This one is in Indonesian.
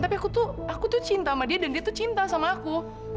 tapi aku tuh aku tuh cinta sama dia dan dia tuh cinta sama aku